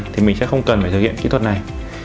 thì mình sẽ không cần phải thực hiện kỹ thuật này